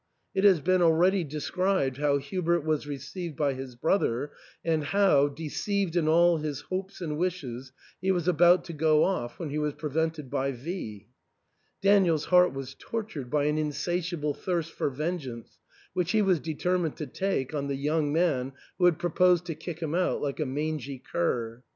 It has been already described how Hubert was received by his brother, and how, deceived in all his hopes and wishes, he was about to go off when he was prevented by V . Daniel's heart was tortured by an insatiable thirst for vengeance, which he was determined to take on the young man who had proposed to kick him out like a mangy cur.